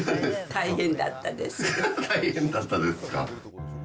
大変だったですか。